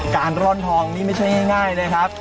ร่อนทองนี่ไม่ใช่ง่ายนะครับ